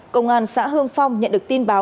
công an xã hương phong nhận được tin báo